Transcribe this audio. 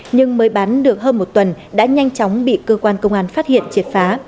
nhưng mới bán được hơn một tuần đã nhanh chóng bị cơ quan công an phát hiện triệt phá